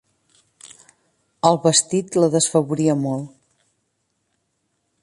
El vestit la desfavoria molt.